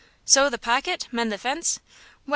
"Sew the pocket! mend the fence! Well!"